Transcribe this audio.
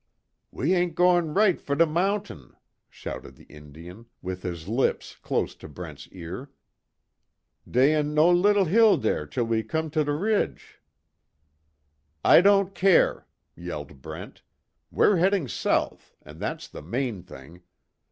"We ain' goin' right fer de mountaine," shouted the Indian, with his lips close to Brent's ear. "Dey an' no leetle hill dere till we com' to de ridge." "I don't care," yelled Brent, "We're heading south, and that's the main thing.